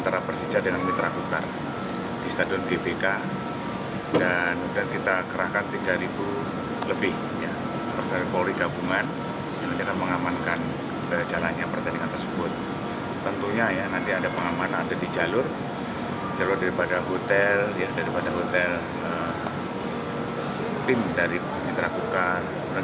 tentunya nanti ada pengamatan di jalur jalur daripada hotel tim dari mitra kukan